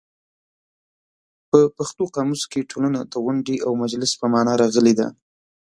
په پښتو قاموس کې ټولنه د غونډې او مجلس په مانا راغلې ده.